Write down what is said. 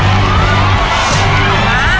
เพื่อชิงทุนต่อชีวิตสุด๑ล้านบาท